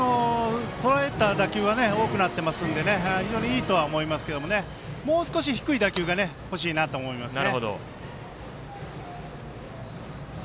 とらえた打球は多くなってますのでいいと思いますけどもう少し低い打球がほしいなと思いますね。